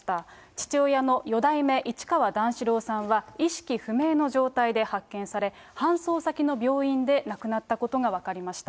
父親の四代目市川段四郎さんは意識不明の状態で発見され、搬送先の病院で亡くなったことが分かりました。